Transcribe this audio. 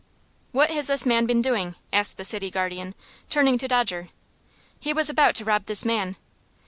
"What has this man been doing?" asked the city guardian, turning to Dodger. "He was about to rob this man."